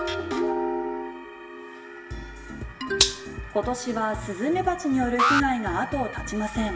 今年はスズメバチによる被害が後を絶ちません。